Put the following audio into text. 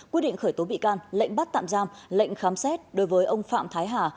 quyết định khởi tố bị can lệnh bắt tạm giam lệnh khám xét đối với ông phạm thái hà